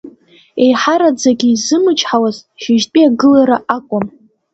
Еиҳараӡакгьы исзымчҳауаз шьыжьтәи агылара акәын.